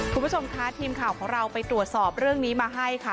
คุณผู้ชมคะทีมข่าวของเราไปตรวจสอบเรื่องนี้มาให้ค่ะ